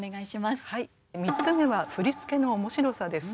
はい３つ目は「振付の面白さ」です。